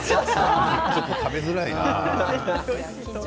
ちょっと食べづらいね。